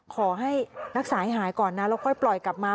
ขอให้รักษาให้หายก่อนนะแล้วค่อยปล่อยกลับมา